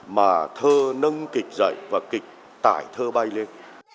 mà thơ nâng kịch dậy và kịch tải thơ bay lên